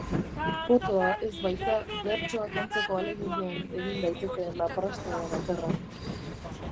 Potoa ez baita bertsoak ontzeko ahaleginean egin daitekeen laprastada bakarra.